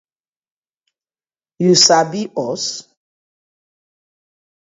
Yu sabi us?